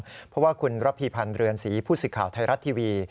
เพราะว่าคุณระพีพันธ์เรือนศรีผู้สิทธิ์ข่าวไทยรัฐทีวี